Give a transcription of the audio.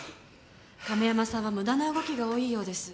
亀山さんは無駄な動きが多いようです。